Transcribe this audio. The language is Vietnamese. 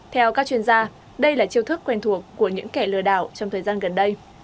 theo các chuyên gia đây là chiêu thức quen thuộc của những kẻ lừa đảo trong thời gian gần đây